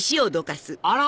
あら！